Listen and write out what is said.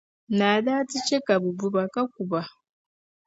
naa daa ti chɛ ka bɛ bu ba, ka ku ba.